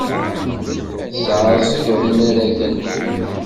Tesɛeẓgeḍ inaragen.